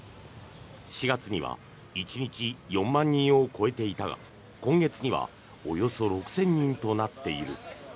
４月には１日４万人を超えていたが今月にはおよそ６０００人となっている。